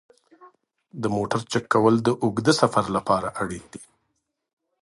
د موټر چک کول د اوږده سفر لپاره اړین دي.